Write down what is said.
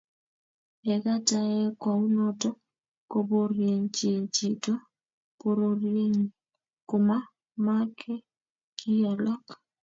Nekatayaei kounoto, koboriechin chito pororienyi komamake kiy alak